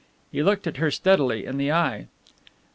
He looked at her steadily in the eye.